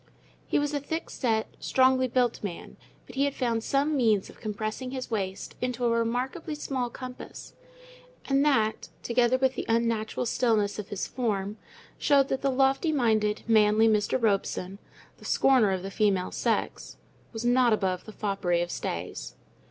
He was a thick set, strongly built man, but he had found some means of compressing his waist into a remarkably small compass; and that, together with the unnatural stillness of his form, showed that the lofty minded, manly Mr. Robson, the scorner of the female sex, was not above the foppery of stays.